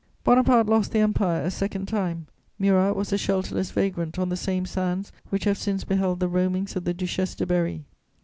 Bonaparte lost the Empire a second time; Murat was a shelterless vagrant on the same sands which have since beheld the roamings of the Duchesse de Berry.